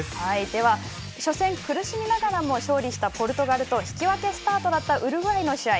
では初戦、苦しみながらも勝利したポルトガルと引き分けスタートだったウルグアイの試合